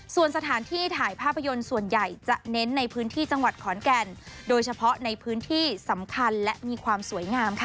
ส่วนสถานที่ถ่ายภาพยนตร์ส่วนใหญ่จะเน้นในพื้นที่จังหวัดขอนแก่นโดยเฉพาะในพื้นที่สำคัญและมีความสวยงามค่ะ